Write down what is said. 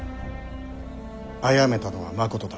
あやめたのはまことだ。